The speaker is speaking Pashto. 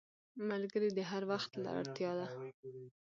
ملګری د هر وخت اړتیا ده